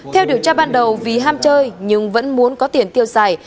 theo điều tra ban đầu vì ham chơi nhưng vẫn muốn có tiền tiêu xài